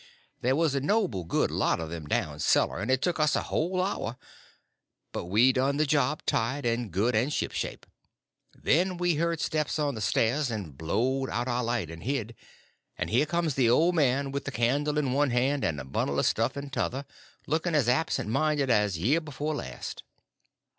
There was a noble good lot of them down cellar, and it took us a whole hour, but we done the job tight and good and shipshape. Then we heard steps on the stairs, and blowed out our light and hid; and here comes the old man, with a candle in one hand and a bundle of stuff in t'other, looking as absent minded as year before last.